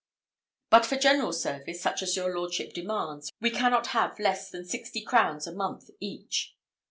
But for general service, such as your lordship demands, we cannot have less than sixty crowns a month each."